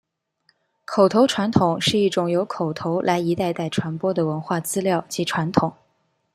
口头传统是一种由口头来一代代传播的文化资料及传统。